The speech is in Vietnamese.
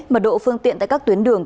mật độ phương tiện tại các tuyến đường